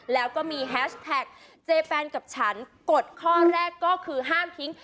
แล้วก็มีแฮชแท็กเจแฟนกับฉันกดข้อแรกก็คือห้ามทิ้ง